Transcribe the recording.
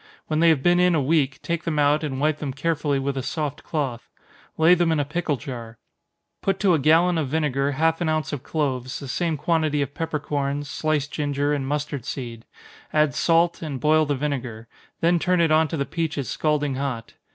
When they have been in a week, take them out, and wipe them carefully with a soft cloth. Lay them in a pickle jar. Put to a gallon of vinegar half an ounce of cloves, the same quantity of peppercorns, sliced ginger and mustard seed add salt, and boil the vinegar then turn it on to the peaches scalding hot.